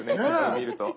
見ると。